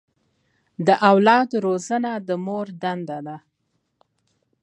د اولاد روزنه د مور دنده ده.